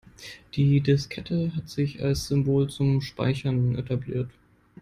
Die Diskette hat sich als Symbol zum Speichern etabliert.